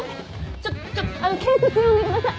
ちょちょ警察呼んでください。